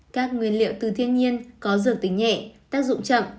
các nguyên liệu từ thiên nhiên có dược tính nhẹ tác dụng chậm